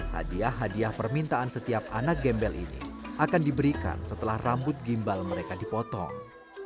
hadiah hadiah permintaan setiap anak gembel ini akan diberikan setelah rambut gimbal mereka dipotong